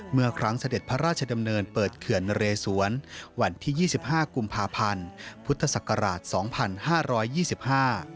เมื่อครั้งเสด็จพระราชดำเนินเปิดเขื่อนเรศวรวันที่๒๕กุมภาพันธ์พุทธศักราช๒๕๒๕